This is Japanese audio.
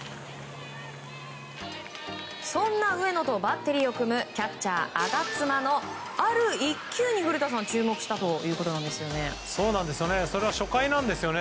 そんな上野とバッテリーを組むキャッチャー我妻のある１球に古田さん注目したということですね。